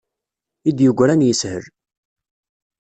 I d-yegran yeshel.